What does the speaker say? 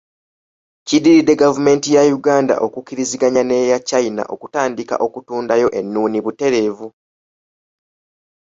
Kiddiridde gavumenti ya Uganda okukkiriziganya ne China okutandika okutundayo ennuuni butereevu.